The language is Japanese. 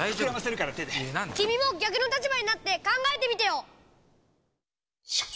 きみも逆の立場になってかんがえてみてよ！